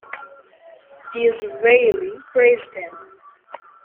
Disraeli praised him.